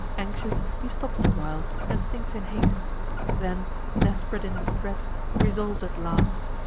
Anxious, he stops a while, and thinks in haste; Then, desp'rate in distress, resolves at last.